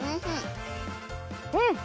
うん！